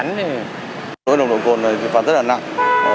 nói đồng độ cồn thì phản tất là nặng